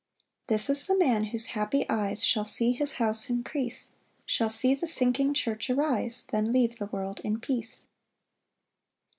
5 This is the man whose happy eyes Shall see his house increase, Shall see the sinking church arise, Then leave the world in peace.